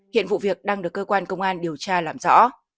hiện vụ việc đang được cơ quan công an điều tra làm rõ